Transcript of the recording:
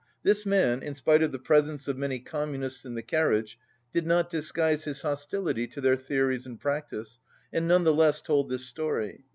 This man, in spite of the presence of many Communists in the carriage, did not disguise his hostility to their theories and practice, and none the less told this story.